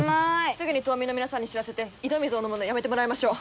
すぐに島民の皆さんに知らせて井戸水を飲むのをやめてもらいましょう。